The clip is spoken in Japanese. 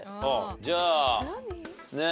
じゃあねっ